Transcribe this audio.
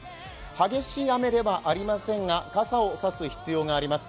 激し雨ではありませんが、傘を差す必要があります。